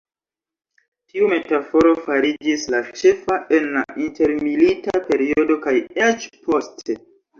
Tiu metaforo fariĝis la ĉefa en la intermilita periodo kaj eĉ poste.